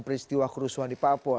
beristiwa kerusuhan di papua